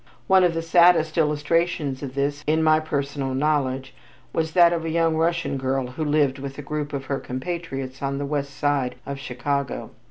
One of the saddest illustrations of this, in my personal knowledge, was that of a young Russian girl who lived with a group of her compatriots on the west side of Chicago.